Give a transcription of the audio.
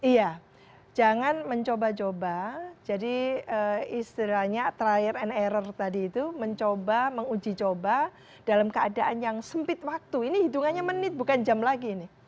iya jangan mencoba coba jadi istilahnya trial and error tadi itu mencoba menguji coba dalam keadaan yang sempit waktu ini hitungannya menit bukan jam lagi ini